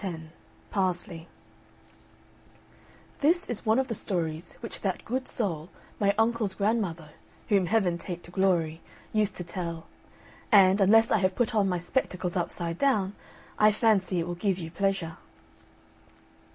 X PARSLEY This is one of the stories which that good soul, my uncle's grandmother (whom Heaven take to glory), used to tell; and, unless I have put on my spectacles upside down, I fancy it will give you pleasure.